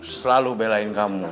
selalu belain kamu